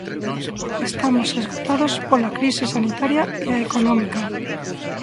Estamos esgotados pola crise sanitaria e a económica...